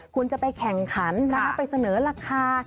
คุณจะไปแข่งขันนะคะไปเสนอราคา